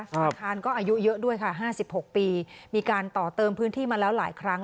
อาคารก็อายุเยอะด้วยค่ะ๕๖ปีมีการต่อเติมพื้นที่มาแล้วหลายครั้ง